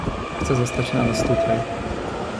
Chce zostać na noc tutaj.